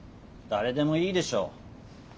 誰でもいいでしょ。